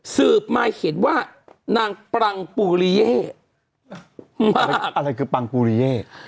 สืบมาเห็นว่านางปรังปูริเย่อะไรคือปังปูริเย่